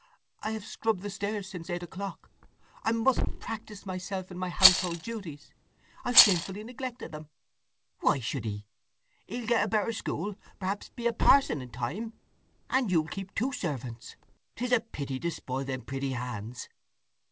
I have scrubbed the stairs since eight o'clock. I must practise myself in my household duties. I've shamefully neglected them!" "Why should ye? He'll get a better school, perhaps be a parson, in time, and you'll keep two servants. 'Tis a pity to spoil them pretty hands."